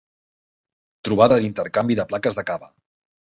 Trobada d'intercanvi de plaques de cava.